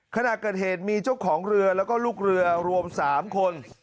ขณะเกิดเหตุมีเจ้าของเรือแล้วก็ลูกเรือรวม๓คน